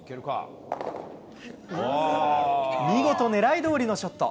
みごと、狙いどおりのショット。